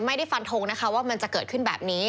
ไม่ได้ฟันทงนะคะว่ามันจะเกิดขึ้นแบบนี้